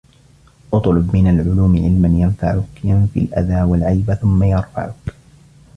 اطلب من العلوم علماً ينفعك ينفي الأذى والعيب ثم يرفعك